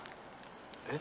えっ？